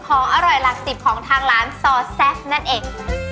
ของอร่อยหลักสิบของทางร้านซอแซ่บนั่นเอง